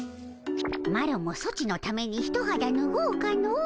マロもソチのためにひとはだぬごうかの。